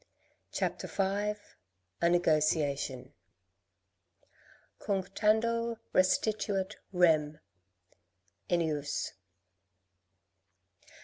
CHAPTER V A NEGOTIATION Cunctando restituit rem. — Ennius.